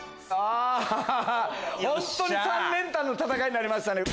本当に３連単の戦いになりましたね。